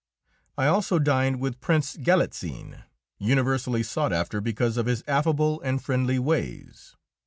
I also dined with Prince Galitzin, universally sought after because of his affable and friendly ways.